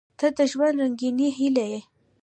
• ته د ژوند رنګینې هیلې یې.